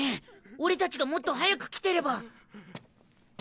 俺たちがもっと早く来てれば。